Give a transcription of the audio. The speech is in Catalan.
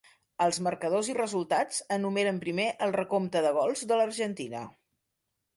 Els marcadors i resultats enumeren primer el recompte de gols de l'Argentina.